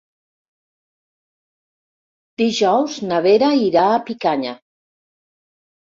Dijous na Vera irà a Picanya.